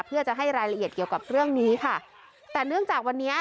เพื่อจะให้รายละเอียดเกี่ยวกับเรื่องนี้ค่ะแต่เนื่องจากวันนี้